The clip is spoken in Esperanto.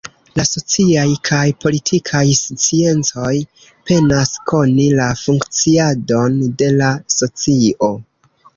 La sociaj kaj politikaj sciencoj penas koni la funkciadon de la socio.